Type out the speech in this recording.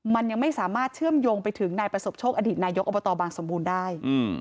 มันยังไม่สามารถเชื่อมโยงไปถึงนายประสบโชคอดีตนายกอบตบางสมบูรณ์ได้